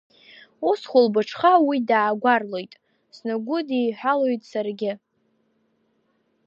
Ус, хәылбыҽха уи даагәарлоит, Снаигәыдиҳәҳәалоит саргьы.